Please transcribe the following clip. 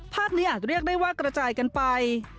ภาพนี้อาจเรียกได้ว่ากระจายกันไป